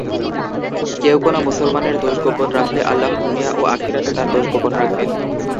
কেউ কোন মুসলমানের দোষ গোপন রাখলে আল্লাহ দুনিয়া ও আখিরাতে তার দোষ গোপন রাখবেন।